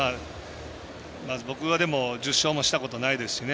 まず僕は１０勝もしたことないですしね